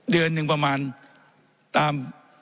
เดือนหนึ่งประมาณตาม